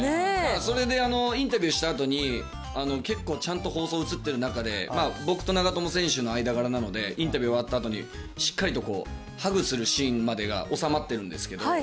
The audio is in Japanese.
それでインタビューしたあとに、結構ちゃんと放送映ってる中で、僕と長友選手の間柄なので、インタビュー終わったあとにしっかりとこう、ハグするシーンまではおさまってるんですけど。